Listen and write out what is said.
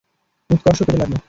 উৎকর্ষ পেতে লাগল।